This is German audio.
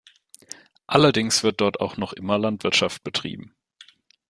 Allerdings wird dort auch noch immer Landwirtschaft betrieben.